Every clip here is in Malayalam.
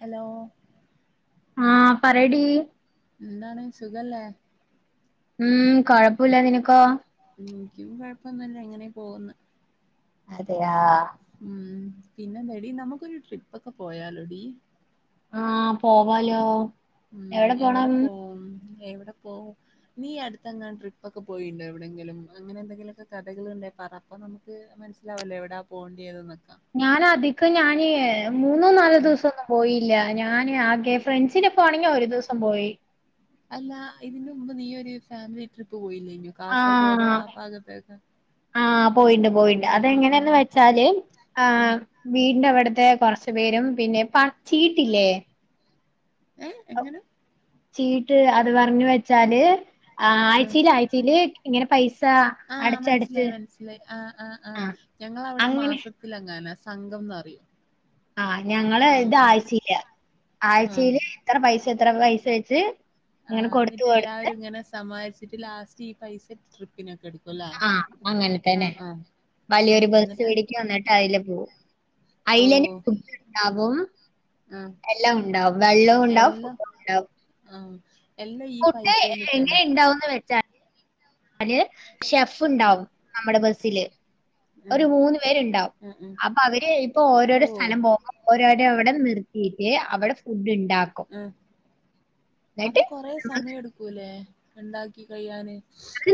ഹലോ. ആ പറെടീ എന്താണ് സുഖല്ലേ? ഉം കൊയപ്പുല്ല നിനക്കോ? ഹ്മ് ഇൻക്ക്യും കൊഴപ്പൊന്നുല്ല ഇങ്ങനെ പോവ്ന്ന്. അതെയാ. ഉം പിന്നെന്താടി നമുക്കൊരു ട്രിപ്പൊക്കെ പോയാലോടി? ആഹ് പോവാലോ എവിടെ പോണം? ഉം എവിടെ പോവും? നീ അടുത്തങ്ങാനും ട്രിപ്പൊക്കെ പോയിണ്ടോ എവിടെങ്കിലും അങ്ങനെ എന്തെങ്കിലൊക്കെ കഥകളുണ്ടെ പറ. അപ്പൊ നമുക്ക് മനസ്സിലാവല്ലോ എവിടാ പോണ്ടിയത് ന്നക്കാ. ഞാനധികം ഞാൻ മൂന്നോ നാലോ ഉം. ദിവസൊന്നും പോയില്ല ഞാന് ആകെ ഫ്രണ്സിനൊപ്പ ആണെങ്കി ഒരു ദിവസം പോയി. അല്ല ഇതിന് മുമ്പ് നീ ഒരു ഫാമിലി ട്രിപ്പ് പോയില്ല്യേന്യോ കാസർഗോഡ് ആഹ് ആ ഭാഗത്തേക്കെ. ആഹ് പോയിണ്ട് പോയിണ്ട് അതെങ്ങനെയെന്ന് വെച്ചാല് ഉം. ആഹ്. വീടിന്റെ അവിട്ത്തെ കൊർച്ച് പേരും പിന്നെ പച്ചീട്ടില്ലേ. ഏ എങ്ങനെ? ചീട്ട് അത് പറഞ്ഞ് വെച്ചാല് ആയ്ച്ചിൽ ആയ്ച്ചില് ഇങ്ങനെ പൈസ. ആഹ് അടച്ചടച്ച് മനസ്സിലായി മനസ്സിലായി ആ ആ ആഹ് ഞങ്ങളവിടെ അങ്ങനെ മാസ ത്തിലെങ്ങാനാ സംഘംന്ന് പറിയും. ആഹ് ഞങ്ങള് ഇത് ആയ്ചയില ആ ആയ്ചയില് ഇത്ര പൈസ ഇത്ര പൈസ വെച്ച് ആഹ ഇങ്ങനെ കൊടുത്ത് ഇന്നിട്ട് കൊടുത്ത് എല്ലാരും ഇങ്ങനെ സമാഹരിച്ചിട്ട് ലാസ്റ്റ് ഈ പൈസ ട്രിപ് പിന്നെക്കെടുക്കുലെ ആഹ് അങ്ങനെ ആ തന്നെ ആ. വലിയൊരു ഓക്കെ ബസ് എന്നിട്ട് പിടിക്കും എന്നിട്ട് അതില് പോവും ഓ അയ്ലന്നെ ഡ്ണ്ടാവും ആ എല്ലം ഉണ്ടാവും വെള്ളുണ്ടാവും. ആഹ് എല്ലാ ഈ ഫുഡ് പൈസയില് തന്നെ. അല് ഷെഫ് ആ ഇണ്ടാവും നമ്മടെ ബസില്. ഉം ഒരു മൂന്ന് പേരുണ്ടാവും ഉം ഉം അപ്പൊ അവര് ഇപ്പോ ഓ ഓരോരോ സ്ഥലം പോകും. ഓരോരവിടെ നിർത്തിയിട്ട് അവിടെ ഫു ഉ അപ്പൊ എന്നിട്ട് കൊറേ നമ്മള് സമയം എടു ക്കൂലെ ഇണ്ടാക്കി കഴിയാന്.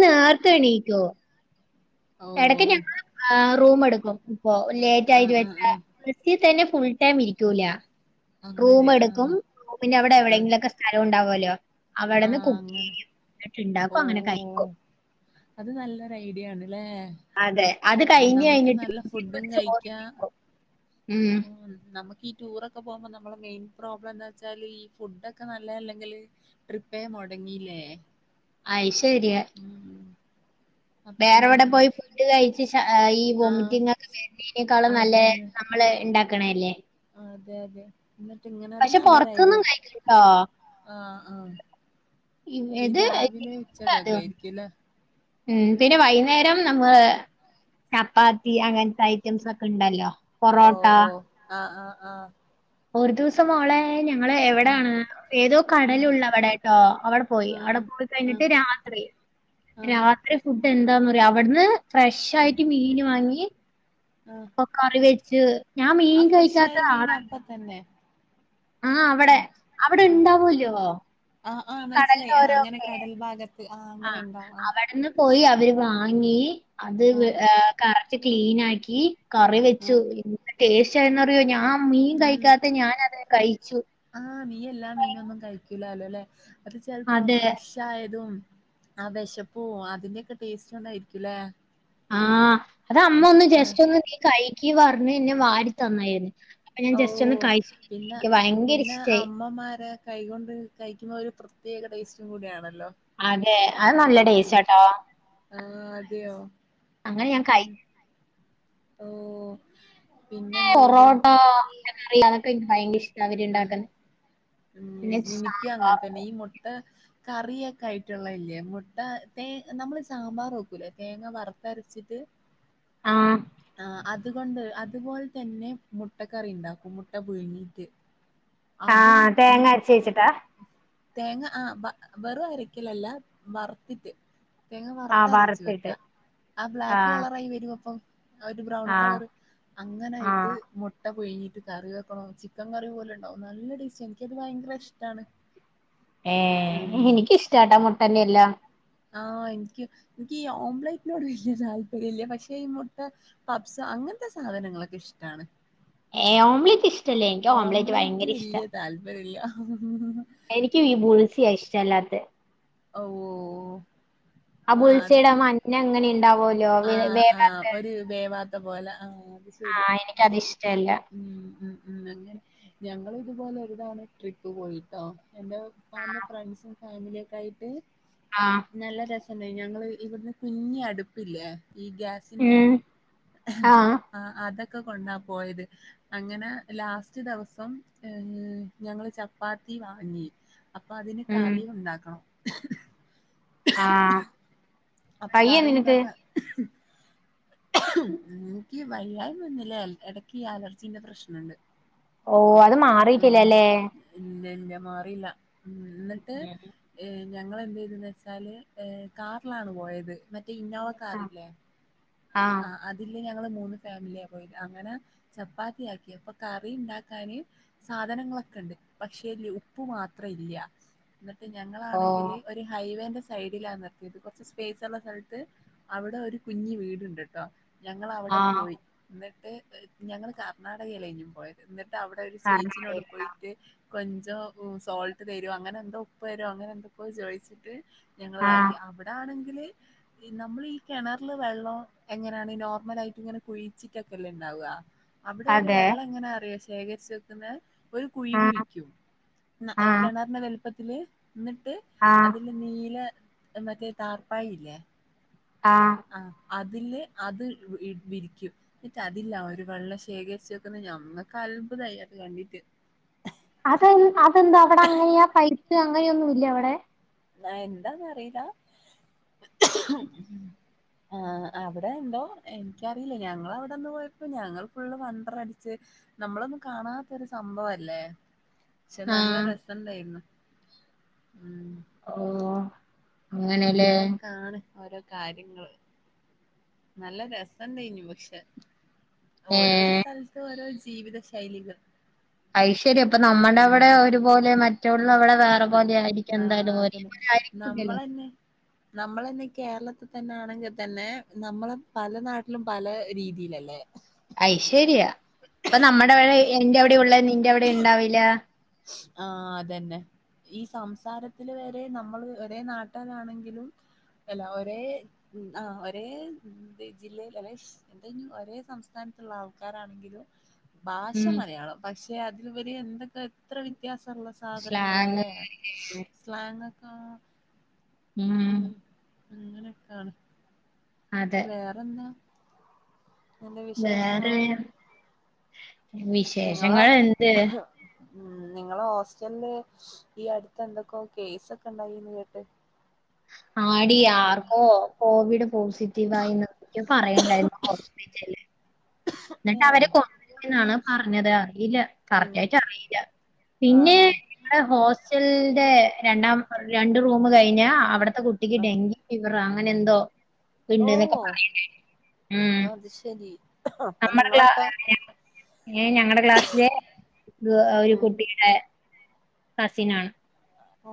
നേർത്തെ എണീക്കു. ഓ എടക്ക് ഞങ്ങൾ ഏ റൂം എടുക്കും ഇപ്പോ ലേ ആ ആ ആ [unintelligible] ബസി തന്നെ ഫുൾ ടൈം ഇരിക്കൂല. റൂം അങ്ങനെ ആഹ് എടുക്കും പിന്നെ അവിടെ ആഹ് എവിടെങ്കിലുംമൊക്കെ സ്ഥല ഉണ്ടാവുഅല്ലോ അവവ്ടെന്ന് ആഹ് അങ്ങനെ കുക്കെയ്യും ന്നിട്ട്ണ്ടാക്കും അങ്ങനെ കൈ ഓഹ് അത് നല്ലൊരു ഐഡിയ ആണ്ല്ലേ. അതെ അത് കഴിഞ്ഞ് നമുക്ക് കൈഞ്ഞ്ട്ട് നല്ല ഫുഡും [inaudible] ചോർ കഴിക്കാ വെക്കും. ഉം നമുക്ക് ഈ ടൂറൊക്കെ പോവുമ്പോ നമ്മളെ മെയിൻ പ്രോബ്ലം എന്താച്ചാല് ഈ ഫുഡ് ഒക്കെ നല്ല അല്ലെങ്കിൽ ട്രിപ്പെ മൊടങ്ങിലേ അഹ് ശെരിയ. അപ്പൊ വേറെ എവിടെ അങ്ങനെല്ലേ പോയി ഫുഡ് കഴിച്ച് ഈ ആഹ് വുമറ്റിംങ് ഒക്കെ വരുന്നതിനേക്കാളും നല്ല അതന്നെ നമ്മള് ഉണ്ടാക്കണല്ലേ? അതെ അതെ എന്നിട്ട് ഇങ്ങനെന്ന പക്ഷെ നല്ലൊര് ഐഡിയ പുറത്തുനിന്നും കഴിക്കും ട്ടോ. ആഹ് ആഹ് ഈ ഇത് രാവിലെ [unintelligible] ഉച്ചക്കൊക്കെ ആയിരിക്കുംല്ലേ ഉം പിന്നെ വൈകുന്നേരം നമ്മള് ചപ്പാത്തി അങ്ങനത്തെ ഐറ്റംസ് ഒക്കെ ഉണ്ടല്ലോ? ഓ പൊറോട്ട ഓ ആഹ് ആഹ് ആഹ് ഒരു ദിവസം മോളെ ഞങ്ങൾ എവിടാണ് ഏതോ ഉം കടലുള്ള അവിടെട്ടോ അവിടെ പോയി. അവിടെ പോയി ഉം ആഹ് കഴിഞ്ഞിട്ട് രാത്രി ആഹ് ആഹ് രാത്രി ഫുഡ് എന്താന്ന് പറയാ അവിടുന്ന് ഫ്രഷ് ആഹ് ആയിട്ട് മീൻ വാങ്ങി. ആഹ് ഇപ്പൊ കറി വെച്ച് ഞാൻ ആ മീൻ ഫ്രഷ് കഴിക്കാത്ത ആയ മീൻ അപ്പതന്നെ ആഹ് അവടെ അവടെ ഇണ്ടാവൂല്ലോ ആഹ് ആഹ് ഈ കടല് മനസ്സിലായി ആഹ് അങ്ങനെ ഓരോക്കെ- കടൽ ഭാഗത്ത് ആഹ്- അങ്ങനെ ആഹ് ഉണ്ടാവും ആഹ് അവടെന്ന് പോയി അവര് വാ വാങ്ങി അത് ആഹ് കറക്റ്റ് ക്ലിനാക്കി കറി ആഹ് വെച്ചു- ടേസ്റ്റ്ന്ന്റിയോ ഞാൻ മീൻ ഉം കഴിക്കാത്ത ഞാനതിനെ കഴിച്ചു- ആഹ് നീ എല്ലാ മീനും ഒന്നും കഴിക്കൂലലല്ലേ അത് ചെലപ്പ ആ അതെ. ഫ്രഷ് ആയതും ആ വെശപ്പും അതിന്റൊക്കെ ടേസ്റ്റ് കൊണ്ടായിരിക്കുല്ലേ- ആഹ് അത് അമ്മ ഒന്ന് ആ ജസ്റ്റ് ഒന്ന് നീ കഴിക്ക് പറഞ്ഞ് ന്നെ വാരി തന്നായിരുന്നു- ഞാൻ ജസ്റ്റ് ഒന്ന് ഓഹ് കഴിച്ചിട്ട് പിന്നെ എനിക്ക് ഭയങ്കര പിന്നെ ഇഷ്ടായി. അമ്മമാര്- കൈകൊണ്ട് കഴിക്കുമ്പോ ഒരു പ്രത്യേക ടേസ്റ്റും കൂടിയാണല്ലോ- അതെ അത് നല്ല ഉം ടെസ്റ്റാട്ടോ - ആഹ് അതെയോ- അങ്ങനെ ഞാൻ കഴി ഓഹ് - പൊറോട്ട കറി അതൊക്കെ എനിക്ക് ഭയങ്കര ഇഷ്ട അവര് ആഹ് ഇണ്ടാക്കുന്ന- ഉം എനിക്കും അങ്ങനെ തന്നെ ഈ മൊട്ട കറിയെക്കെ ആയിട്ടുള്ളല്ലിയൊ മുട്ട തേ നമ്മള് സാമ്പാർ വേക്കൂലേ തേങ്ങ വറ് ത്തരച്ചിട്ട് ആഹ് ആഹ് അതുകൊണ്ട് അതുപോല- തന്നെ മുട്ടക്കറി ഉണ്ടാക്കും മുട്ട പുഴുങ്ങിട്ട് അതും- ഈ തേങ്ങാ അരച്ച് വെച്ചിട്ടാ- തേങ്ങ ആഹ് വ വെറും അരക്കലല്ല വറുത്തിട്ട്- തേങ്ങ ആഹ് വറുത്ത് അരച്ച് വറുത്തിട്ട്. വെക്കാ ആഹ് ബ്ലാക്ക് കളറായി വെരുവപ്പം- ഒരു ബ്രൗൺ ആഹ് കളർ അങ്ങനെ ഇത് ആഹ് മൊ മുട്ട പുഴുങ്ങിട്ട് കറി വെക്കണം ചിക്കൻ കറി പോലെ ഉണ്ടാവും നല്ല ഡിഷാ എനിക്കത് ഭയങ്കര ഇഷ്ടാണ്- ഏഹ് ഉം എനിക്കിഷ്ടാട്ടാ മുട്ടന്റെ എല്ലാം- ആഹ് എനിക്ക് എനിക്ക് ഈ ഓംലൈറ്റിനോട് വല്യ താല്പര്യംല്ല പക്ഷേ ഈ മൊട്ട പപ്സ് അങ്ങനത്തെ സാധനങ്ങളൊക്കെയിഷ്ടാണ്- ഏഹ് ഓംലെറ്റ് ഇഷ്ടല്ല. എനിക്ക് ഓംലെറ്റ് ഓംപലേറ്റ് ഭയങ്കര വല്യ താല്പര്യല്ല- എനിക്ക്‌ ഈ ബുളിസിയ ഇഷ്ടല്ലാത്തെ- ഓഹ് ഓഹ് - ആ ആഹ് അത് ബുൾസൈഡ് ആ മഞ്ഞ അങ്ങനെ ഉണ്ടാവുമല്ലോ വേ- ആഹ് ആഹ് വേവാത്ത ഒരു വേവാത്ത പോലെ ആഹ്- ആഹ് എനക്ക്ത് ഇഷ്ടല്ല ഉം ഉം ഉം അങ്ങനെ- ഞങ്ങൾ ഇതുപോലെ ഒരുതവണ ട്രിപ്പ് പോയിട്ടോ എന്റെ ഉപ്പാന്റെ ഫ്രണ്ട്സും ഫാമിലിയൊക്കെ ആയിട്ട്- ആഹ്- നല്ല രസണ്ടായി ഞങ്ങള് ഇവിടുന്ന് കുഞ്ഞി അടുപ്പില്ലേ ഈ ഗ്യാ ആഹ്- ആഹ് അതൊക്കെ കൊണ്ടാ പോയത്- അങ്ങനെ ലാസ്റ്റ് ദെവസം ഞങ്ങള് ചപ്പാത്തി വാങ്ങി- അപ്പ അതിന് ഉം കറിയുണ്ടാക്കണം- ആഹ് - അപ്പക്കറി ഉണ്ടാക്കാൻ - എനിക്ക് വയ്യായ്മ ഒന്നില്ലേ ഇടയ്ക്ക് ഈ അലർജിന്റെ പ്രശ്നം ഉണ്ട്- ഓഹ് അത് മാറിട്ടില്ലല്ലേ- ഇല്ല ഇല്ല മാറിയില്ല എന്നിട്ട്- ഉം. ഏഹ് ഞങ്ങള് എന്ത് ചെയ്തെന്ന് വെച്ചാല് ഏഹ് കാറിലാണ് പോയത് മറ്റേ ഇന്നോവ കാറില്ലേ- ആഹ് - ആഹ് അതില് ഞങ്ങള് മൂന്ന് ഫാമിലിയാ പോയത് അങ്ങനെ ചപ്പാത്തിയാക്കി അപ്പൊ കറി ഉണ്ടാക്കാന്- സാധനങ്ങളൊക്കെ ഉണ്ട് പക്ഷേ ഉപ്പ് മാത്രം ഇല്ല എന്നിട്ട് ഓ ഞങ്ങളാണെങ്കില്- ഒരു ഹൈവേന്റെ സൈഡിലാണ് നിർത്തിയത് കുറച്ച് സ്പേസ് ഉള്ള സ്ഥലത്ത് അവിടെ ഒരു കുഞ്ഞ് വീട് രസണ്ട്ട്ടോ ഞങ്ങള് അവിടെ ആ പോയി എന്നിട്ട് ഞങ്ങള് കർണാടകയിലഞ്ഞും പോയ എന്നിട്ട് അവിടെ ഒരു കാരണം ചേച്ചിനോട് അറിയില്ല പോയിട്ട് കൊഞ്ചം സോൾട്ട് തരോ അങ്ങനെ എന്തോ ഉപ്പ് തരോ അങ്ങനെ എന്തൊക്കെയോ ചോയിച്ചിട്ട് ആ ഞങ്ങളിതാക്കി അവിടെ ആണെങ്കില് നമ്മൾ ഈ കെണറില് വെള്ളം എങ്ങനെയാണ് ഈ നോർമൽ ആയിട്ട് ഇങ്ങനെ കുഴിച്ചിട്ടൊക്കെ അല്ലെ ഉണ്ടാവുക അവിടെ ഒരു അതെ വെള്ളം എങ്ങനാ അറിയ ശേഖരിച്ച് വെക്കുന്ന ഒരു കുഴി ആ കുഴിക്കും ആ കെണറിന്റെ വലി പ്പത്തില് എന്നിട്ട് ആ അതില് നീല മറ്റേ താർപ്പായ ഇല്ലേ ആഹ് ആഹ് അതില് അത് വിരിക്കും ഇത് അതില്ല ഒരു വെള്ളം ശേഖരിച്ച് വെക്കുന്ന ഞമ്മക്ക് അത്ഭുതമായി അത് കണ്ടിട്ട് അതെ അതെന്താ അവിടെ അങ്ങനെയാ പൈപ്പ് അങ്ങനെയൊന്നും ഇല്ല അവിടെ ആഹ് എന്താന്ന് അറിയില്ല ആഹ് അവിടെ എന്തോ എനിക്കറിയില്ല ഞങ്ങള് അവിടുന്ന് പോയപ്പോ ഞങ്ങൾ ഫുള്ള് വണ്ടർ അടിച്ച് നമ്മളൊന്നും കാണാത്തൊരു സംഭവല്ലേ പക്ഷെ ആ നല്ല രസണ്ടായിരുന്നു ഉം ഓഹ് അങ്ങനെയൊക്കാണ് ഓരോ കാര്യങ്ങള് നല്ല രസം ഉണ്ടായിനി പക്ഷെ ഏ ഓരോരു സ്ഥല ത്ത് ഓരോ ജീവിത ശൈലികൾ അയ്ശെരിയാ അപ്പം നമ്മടെ ഉം അവിടെ ഒരുപോലെ മറ്റുള്ള അവിടെ വേറെ പോലെ ആയിരിക്കും ആ എന്തായാലും ആയിരിക്കൂല്ലല്ലോ നമ്മളിന്ന് കേരളത്തിൽ തന്നൊണെങ്കിൽ തന്നെ നമ്മള് പല നാട്ടിലും പല രീതിയിലല്ലേ അയ്ശെരിയ ഇപ്പൊ നമ്മടെ ഇവിടെ എൻ്റെ അവിടെ ഉള്ളത് നിന്റെ അവിടെ ഉണ്ടാവില്ല ആഹ് അതന്നെ ഈ സംസാരത്തില് വരെ നമ്മള് ഒരേ നാട്ടാരാണെങ്കിലും എല്ല ഒരേ ഉം ആഹ് ഒരേ ജില്ലയിൽ അല്ലെ എന്ത ഒരേ സംസ്ഥാനത്തിലുള്ള ആൾക്കാരാണെങ്കിലും ഭാഷ ഉം മലയാളം പക്ഷെ അതിലുപരി എന്തൊക്കെ എത്ര വ്യത്യാസമുള്ള സാധനങ്ങള സ്ലാങ് അല്ലെ സ്ലാങ്ങൊക്കെ ഉം ഉം അങ്ങനെയൊക്കാണ് അതെ വേറെന്ന എന്ത് വേറെ വിശേഷങ്ങളൊക്കെ നിങ്ങള് വിശേഷങ്ങൾ എന്ത് ഉം നിങ്ങളെ ഹോസ്റ്റലില് ഈ അടുത്ത് എന്തൊക്കോ കേസൊക്കെ ഉണ്ടായിന്ന് കേട്ട് ആടി ആർക്കോ കോവിട് പോസി റ്റീവായീന്ന് പറയണ്ടായിരുന്ന് ഹോസ്പിറ്റലിൽ എന്നിട്ട് അവര് ഏഹ്! കൊ എന്നാണ് പറഞ്ഞത് അറിയില്ല ഉം. കറക്റ്റ് ആയിട്ട് അറിയില്ല പിന്നെ ആണോ നമ്മടെ ഹോസ്റ്റലിന്റെ രണ്ടാം രണ്ട് റൂം കഴിഞ്ഞ അവടെ ത്തെ കുട്ടിക്ക് ആ ഡെങ്കി ഫീവറാ അങ്ങനെ എന്തോ ഓ ഇണ്ട് എന്നൊക്കെ പറയണ ഉം അത് ശരി അപ്പൊ നമ്മടെ ക്ലാ നിങ്ങളൊക്കെ ഏഹ് ഞങ്ങടെ ക്ലാസ്സിലെ ഒരു ഉം കുട്ടിയുടെ കസിനാണ് ഓ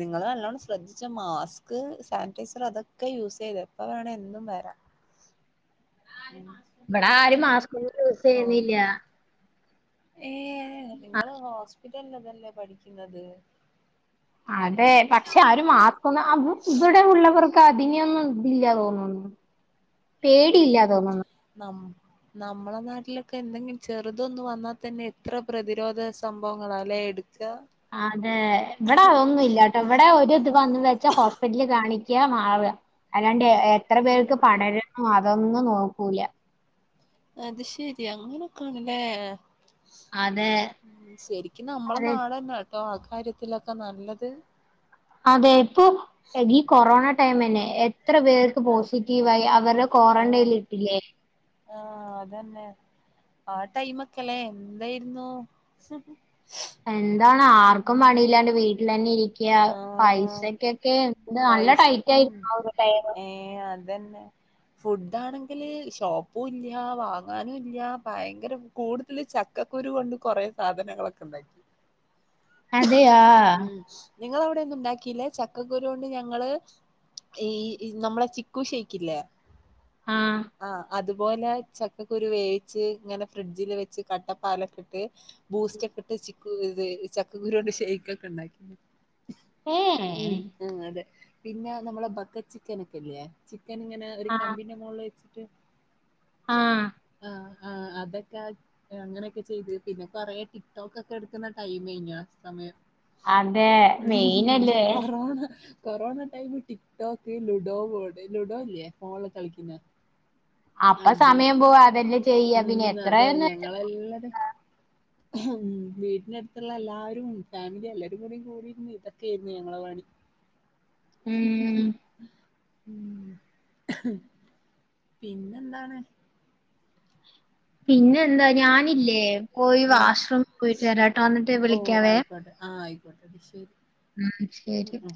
നിങ്ങള് നല്ലോണം ശ്രദ്ധിച്ചൊ മാസ്ക് സാനിറ്റൈസർ അതൊക്കെ യൂസ് ചെയ്തോ എപ്പ വേണെ എന്തും വരാം ഉം ഇവിട ആരും മാസ്ക ഒന്നും യൂസ് ഓ ചെയ്യുന്നില്ല ഏ നിങ്ങള് ഹോസ്പിറ്റലിലതല്ലേ പഠിക്കുന്നത് അതെ പക്ഷെ അവര് മാസ്കൊന്നും ഇവിടെ ഉള്ളവർക്ക് അതിനെയൊന്നും ഇതില്ല തോന്നുന്നു [inaudible] പേടിയില്ല തോന്നുന്നു ഉം [unintelligible] നമ്മളെ നാട്ടിലൊക്കെ എന്തെങ്കിലും ചെറുതൊന്ന് വന്ന തന്നെ എത്ര പ്രതിരോധ സംഭവങ്ങളാലേ എടു ക്ക അതെ ഇവടെ അതൊന്നുല്ലട്ടോ ഇവടെ ഒരു ഇത് വന്ന് വെച്ച ഹോസ് ഹോസ്പിറ്റലിൽ കാണിക്ക മാറുക അല്ലാണ്ട് എത്ര ഉം പേർക്ക് പടരുന്നു അതൊന്നും നോക്കൂല്ല അത് ശെരിയ അങ്ങനൊക്ക ആണല്ലേ അതെ ശരിക്കും നമ്മളെ അതെ നാടന്നെട്ടോ ആ കാര്യത്തിലൊക്കെ നല്ലത് അതെ ഇപ്പൊ ഈ കൊറോണ ടൈമന്നെ എത്ര പേർക്ക് ആ പോസിറ്റീവായി അവരെ ക്വാറന്റൈനിൽ ഇ ഇല്ലേ ആ അതന്നെ ആ ടൈമൊക്കെല്ലേ എന്തായിരുന്നു എന്താണ് ആർക്കും പണിയില്ലാണ്ട് വീട്ടിൽ തന്നെ ഇരിക്ക ക്യാ ആഹ് പൈസക്കൊക്കെ എ നല്ല ടൈറ്റ് ആയിരുന്നു ആ ഒരു ടൈം ഏ അതന്നെ ഫുഡാണെങ്കില് ഷോപ്പുല്ല വാങ്ങാനുല്ല ഭയങ്കര കൂടുതല് ചക്കക്കുരു കൊണ്ട് കൊറെ സാധനങ്ങളൊക്കെ ഇണ്ടാക്കി അതെയാ ഉം നിങ്ങളവിടെ ഒന്നും ഉണ്ടാക്കീലാ ചക്കക്കുരു കൊണ്ട് ഞങ്ങള് ഈ നമ്മളെ ചിക്കു ഷെയിക്കില്ലേ ആ ആ അതുപോലെ ചക്കക്കുരു വേവിച്ച് ഇങ്ങനെ ഫ്രിഡ്ജിൽ വെച്ച് കട്ടപ്പാലൊക്കെ ഇട്ട് ബൂസ്റ്റ് ഒക്കെ ഇട്ട് ക്കു ചക്കക്കുരു കൊണ്ട് ഷെയ്ക്ക് ഒക്കെ ഉണ്ടാക്കി ഏ ഉം ആ അതെ പിന്നെ നമ്മളെ ബക്കറ്റ് ചിക്കൻ ഒക്കെല്ലേ ചിക്കൻ ഇങ്ങനെ ഒര് ആ കമ്പീന്റെ മോള് വെച്ചിട്ട് ആ ആ ആ അതൊക്കെ അങ്ങനെയൊക്കെ ചെയ്ത് പിന്നെ കൊറെേ ടിക് ടോക്ക് ഒക്കെ എടുക്കുന്ന ടൈമേനു ആ സമയം അതെ ഉം ഉം മെയിനല്ലേ corona corona time TikTok ludo board ludo ഇല്ലേ ഫോണില് കളിക്കുന്നേ അപ്പ സമയം പോവാ അതല്ലേ ചെയ്യാ പിന്നെ എത്രയാന്ന് വെച്ച എല്ലരും ഉം വീട്ടിനടുത്തുള്ള എല്ലാവാരും ഫാമിലി എല്ലാരും കൂടെ കൂടിയിരുന്നു ഇതൊക്കെയായിയിരുന്നു ഞങ്ങളെ പണി ഉം ഉം [unintelligible] പിന്നെന്താണ് പിന്നെ എന്താ ഞാനില്ലേ പോയി ആഹ് വാഷ്റൂം പോയിട്ട് വരാട്ടോ വന്നിട്ട് ഓ വിളിക്കാവേ ആ ആയി ക്കോട്ടേ ശരി ഉം ഉം ശരി. ഉം